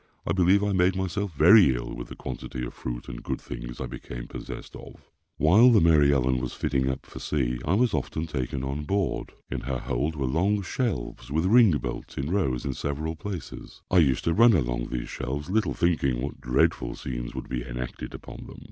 I believe I made myself very ill with the quantity of fruit and good things I became possessed of. While the Mary Ellen was fitting up for sea, I was often taken on board. In her hold were long shelves with ring bolts in rows in several places. I used to run along these shelves, little thinking what dreadful scenes would be enacted upon them.